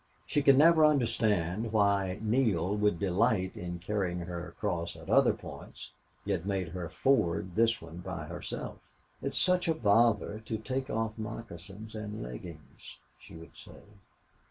She could never understand why Neale would delight in carrying her across at other points, yet made her ford this one by herself. "It's such a bother to take off moccasins and leggings," she would say.